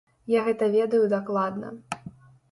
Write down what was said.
Я гэта ведаю дакладна.